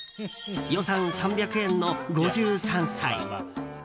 予算３００円の５３歳。